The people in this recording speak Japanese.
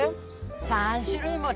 ３種類もだ。